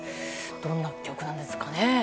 どんな曲なんですかね？